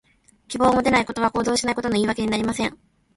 希望を持てないことは、行動しないことの言い訳にはなりません。